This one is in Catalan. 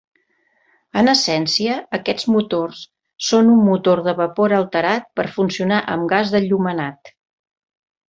En essència, aquests motors són un motor de vapor alterat per funcionar amb gas d'enllumenat.